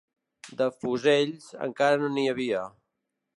De fusells, encara no n'hi havia